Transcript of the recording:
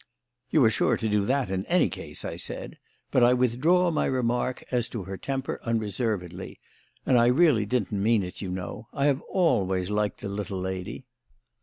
"You are sure to do that, in any case," I said; "but I withdraw my remark as to her temper unreservedly. And I really didn't mean it, you know; I have always liked the little lady."